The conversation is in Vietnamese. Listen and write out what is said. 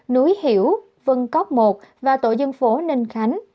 núi hiểu vân cóc một và tổ dân phố ninh khánh